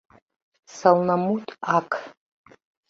Сылнымут ак